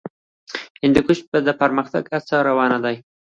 هندوکش کې د پرمختګ هڅې روانې دي.